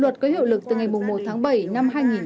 luật có hiệu lực từ ngày một tháng bảy năm hai nghìn hai mươi